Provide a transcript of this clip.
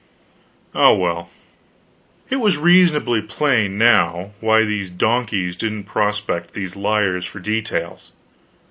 Oh, well, it was reasonably plain, now, why these donkeys didn't prospect these liars for details.